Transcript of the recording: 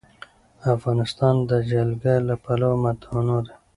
افغانستان د جلګه له پلوه متنوع دی.